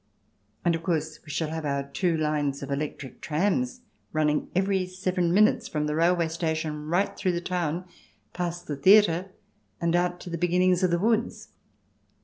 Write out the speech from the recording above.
And, of course, we shall have our two lines of electric trams running every seven minutes from the railway station right through the town, past the theatre, and out to the beginnings of the woods.